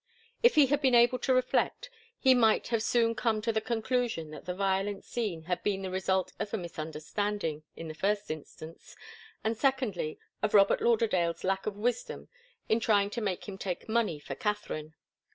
If he had been able to reflect, he might have soon come to the conclusion that the violent scene had been the result of a misunderstanding, in the first instance, and secondly, of Robert Lauderdale's lack of wisdom in trying to make him take money for Katharine.